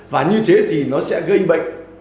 và như thế thì nó sẽ gây bệnh